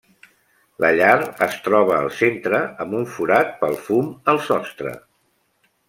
La llar es troba al centre amb un forat pel fum al sostre.